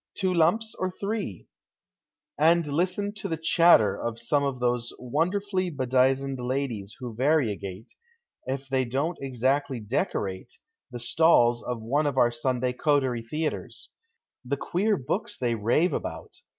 Two lumps or three ?" And listen to the chatter of some of those wonder fully bedizened ladies who variegate, if they dont exactly decorate, the stalls of one of our Sunday coterie theatres. The queer books they rave about